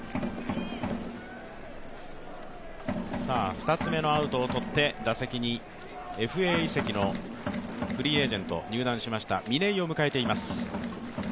２つ目のアウトをとって打席に、ＦＡ移籍のフリーエージェント、入団しました嶺井を迎えています。